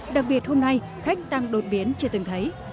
đặc biệt hôm nay khách tăng đột biến chưa từng thấy